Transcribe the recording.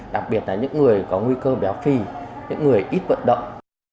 đặc biệt là những người có nguy cơ béo phì những người ít vận động